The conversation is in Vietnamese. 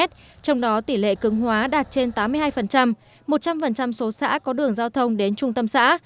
trong đó tỷ lệ cứng hóa đạt trên tám mươi hai một trăm linh số xã có đường giao thông đến trung tâm xã